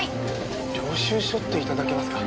領収書って頂けますか？